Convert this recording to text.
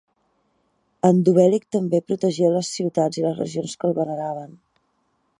Endovèlic també protegia les ciutats i les regions que el veneraven.